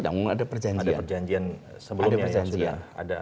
ada perjanjian sebelumnya